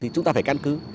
chúng ta phải căn cứ